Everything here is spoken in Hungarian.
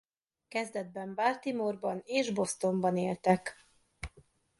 Kezdetben Baltimore-ban és Bostonban éltek.